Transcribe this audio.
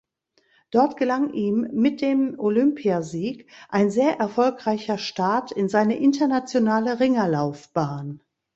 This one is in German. Dort gelang ihm mit dem Olympiasieg ein sehr erfolgreicher Start in seine internationale Ringerlaufbahn.